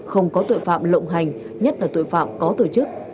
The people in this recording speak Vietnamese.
không có tội phạm lộng hành nhất là tội phạm có tổ chức